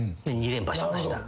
２連覇しました。